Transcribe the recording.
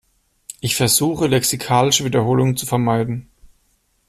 Ich versuche, lexikalische Wiederholungen zu vermeiden.